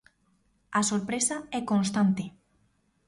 A sorpresa é constante.